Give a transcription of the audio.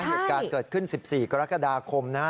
เหตุการณ์เกิดขึ้น๑๔กรกฎาคมนะฮะ